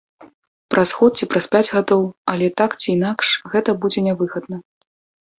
Праз год ці праз пяць гадоў, але так ці інакш гэта будзе нявыгадна.